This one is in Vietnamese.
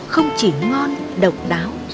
không chỉ ngon độc đáo